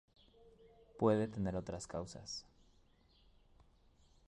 Puede tener otras causas.